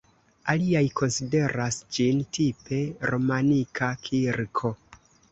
Aliaj konsideras ĝin tipe romanika kirko.